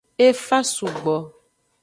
E fa sugbo.